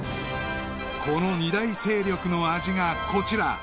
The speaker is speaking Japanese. ［この二大勢力の味がこちら］